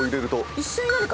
一緒に何か？